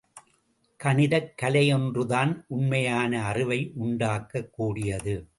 கணிதக் கலையொன்றுதான் உண்மையான அறிவையுண்டாக்கக் கூடியது.